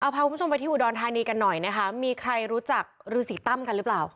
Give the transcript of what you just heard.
พาคุณผู้ชมไปที่อุดรธานีกันหน่อยนะคะมีใครรู้จักฤษีตั้มกันหรือเปล่า